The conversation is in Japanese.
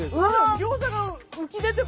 ギョーザが浮き出てます